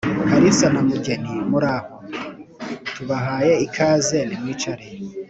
kalisa na mugeni: muraho! tubahaye ikaze, nimwicare.